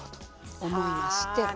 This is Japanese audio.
思いまして。